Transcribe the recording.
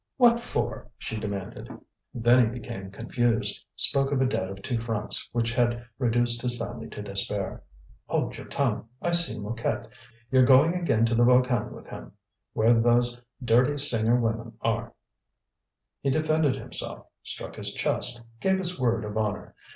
"What for?" she demanded. Then he became confused, spoke of a debt of two francs which had reduced his family to despair. "Hold your tongue! I've seen Mouquet; you're going again to the Volcan with him, where those dirty singer women are." He defended himself, struck his chest, gave his word of honour.